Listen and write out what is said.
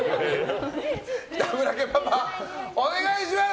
北村家パパ、お願いします。